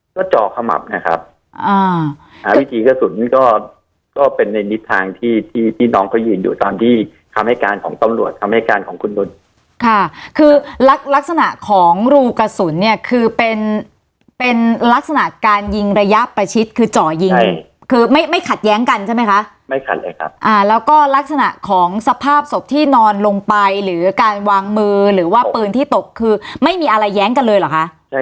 ก็จ่อขมับนะครับอ่าวิถีกระสุนก็ก็เป็นในทิศทางที่ที่น้องเขายืนอยู่ตอนที่คำให้การของตำรวจคำให้การของคุณนุนค่ะคือลักษณะของรูกระสุนเนี่ยคือเป็นเป็นลักษณะการยิงระยะประชิดคือจ่อยิงคือไม่ไม่ขัดแย้งกันใช่ไหมคะไม่ขัดเลยครับอ่าแล้วก็ลักษณะของสภาพศพที่นอนลงไปหรือการวางมือหรือว่าปืนที่ตกคือไม่มีอะไรแย้งกันเลยเหรอคะใช่